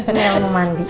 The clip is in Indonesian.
ini yang mau mandi